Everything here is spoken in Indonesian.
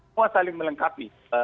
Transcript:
mereka saling melengkapi